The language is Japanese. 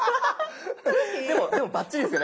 でもバッチリですよね